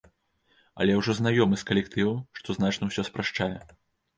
Але я ўжо знаёмы з калектывам, што значна ўсё спрашчае.